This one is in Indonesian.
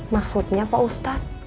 maksudnya pak ustadz